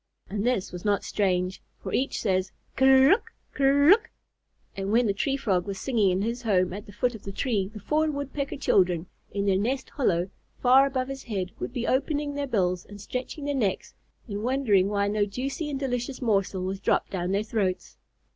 And this was not strange, for each says, "Ker r ruck! Ker r ruck!" and when the Tree Frog was singing in his home at the foot of the tree, the four Woodpecker children, in their nest hollow far above his head, would be opening their bills and stretching their necks, and wondering why no juicy and delicious morsel was dropped down their throats.